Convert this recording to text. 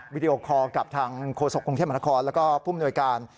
วิดีโอคอร์กับทางโฆษกรุงเทพมหานครแล้วก็ผู้มนวยการ